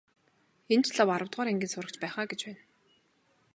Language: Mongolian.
Энэ ч лав аравдугаар ангийн сурагч байх аа гэж байна.